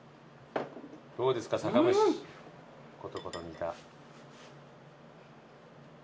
どうですか酒蒸コトコト煮た。